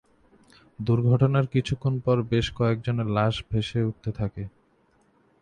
দুর্ঘটনার কিছুক্ষণ পর বেশ কয়েকজনের লাশ বেশে উঠতে থাকে।